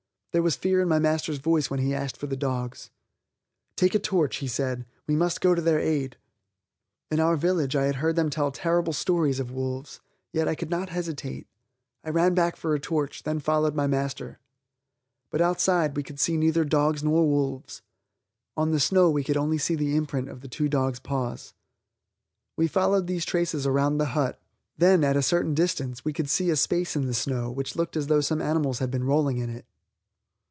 There was fear in my master's voice when he asked for the dogs. "Take a torch," he said, "we must go to their aid." In our village I had heard them tell terrible stories of wolves, yet I could not hesitate. I ran back for a torch, then followed my master. But outside we could see neither dogs nor wolves. On the snow we could see only the imprint of the two dogs' paws. We followed these traces around the hut, then at a certain distance we could see a space in the snow which looked as though some animals had been rolling in it.